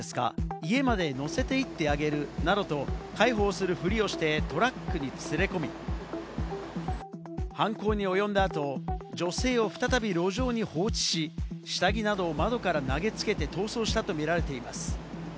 家まで乗せて行ってあげるなどと、開放するふりをしてトラックに連れ込み、犯行に及んだ後、女性を再び路上に放置し、下着などを窓から投げつけて、逃走したとみられています。